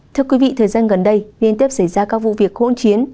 thưa quý vị thời gian gần đây liên tiếp xảy ra các vụ việc hỗn chiến